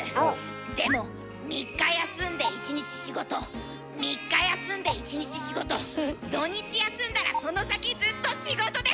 でも３日休んで１日仕事３日休んで１日仕事土日休んだらその先ずっと仕事です！